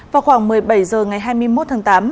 vào khoảng một mươi bảy h ngày hai mươi một tháng tám